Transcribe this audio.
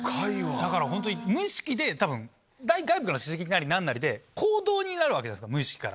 だからホントに無意識で多分外部からの刺激なり何なりで行動になるわけじゃないですか無意識から。